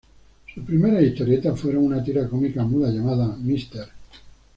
Sus primeras historietas fueron una tira cómica muda llamada "Mr.